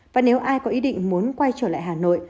và nếu ai có ý định muốn quay trở lại hà nội